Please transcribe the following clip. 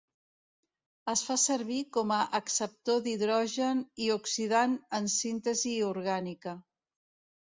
Es fa servir com acceptor d'hidrogen i oxidant en síntesi orgànica.